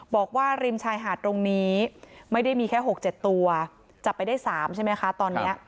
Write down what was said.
บอกว่าริมชายหาดตรงนี้ไม่ได้มีแค่๖๗ตัวจับไปได้๓ใช่ไหมคะตอนนี้